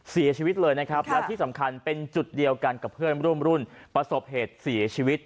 เสียชีวิตเลยนะครับและที่สำคัญเป็นจุดเดียวกันกับเพื่อนร่วมรุ่นประสบเหตุเสียชีวิต